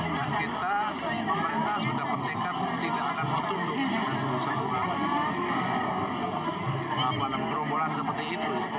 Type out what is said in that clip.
dan kita pemerintah sudah pertingkat tidak akan mau tunduk dengan semua kerobolan seperti itu